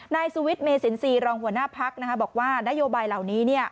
นายสวิตเมสินซีรองหัวหน้าภักร์นะคะบอกว่านโยบายเหล่านี้เนี่ย